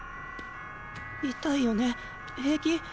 痛いよね平気？